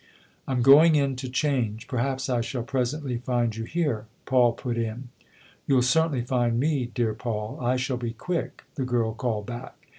" I'm going in to change perhaps I shall presently find you here," Paul put in. " You'll certainly find me, dear Paul. I shall be quick !" the girl called back.